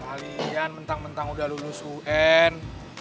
kalian mentang mentang udah lulus un